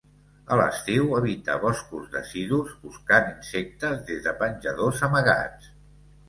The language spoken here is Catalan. A l'estiu, habita boscos decidus, buscant insectes des de penjadors amagats.